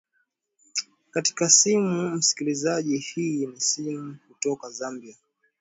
katika simu msikilizaji hii ni simu kutoka zambia